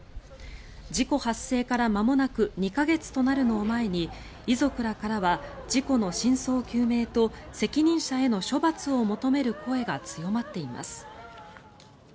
事故発生からまもなく２か月となるのを前に遺族らからは事故の真相究明と責任者への処罰を求める声が強まっています。